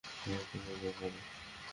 হয়তো আমার ব্যাপারে।